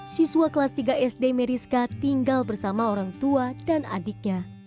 siswa kelas tiga sd meriska tinggal bersama orang tua dan adiknya